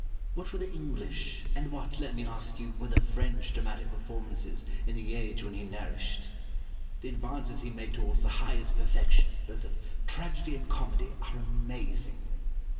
What were the English, and what, let me ask you, were the French dramatic performances, in the age when he nourished? The advances he made towards the highest perfection, both of tragedy and comedy, are amazing!